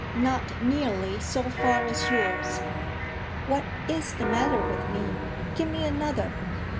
Not nearly so far as yours. What is the matter with me? Give me another."